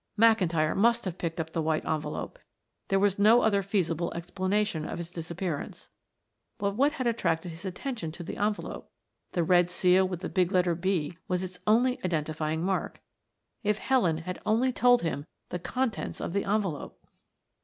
McIntyre must have picked up the white envelope, there was no other feasible explanation of its disappearance. But what had attracted his attention to the envelope the red seal with the big letter "B" was its only identifying mark. If Helen had only told him the contents of the envelope!